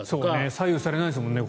左右されないですもんね。